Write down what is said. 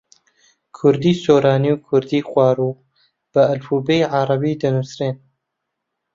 کوردیی سۆرانی و کوردیی خواروو بە ئەلفوبێی عەرەبی دەنووسرێن.